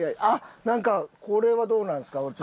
あっなんかこれはどうなんですか？